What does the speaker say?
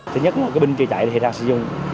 thứ nhất là cái bình chữa cháy thì ra sử dụng